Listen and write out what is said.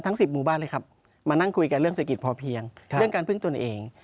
๑๐หมู่บ้านเลยครับมานั่งคุยกันเรื่องเศรษฐกิจพอเพียงเรื่องการพึ่งตนเอง